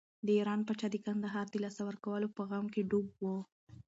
د ایران پاچا د کندهار د لاسه ورکولو په غم کې ډوب و.